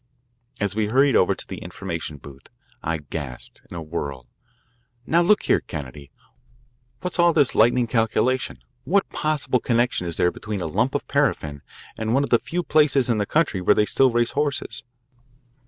As we hurried over to the information booth, I gasped, in a whirl: "Now, look here, Kennedy, what's all this lightning calculation? What possible connection is there between a lump of paraffin and one of the few places in the country where they still race horses?"